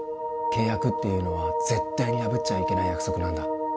契約っていうのは絶対に破っちゃいけない約束なんだ